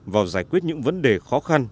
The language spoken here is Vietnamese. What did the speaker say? vào giải quyết những vấn đề khó khăn